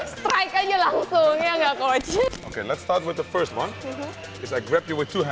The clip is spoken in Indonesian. strike aja langsung ya nggak coach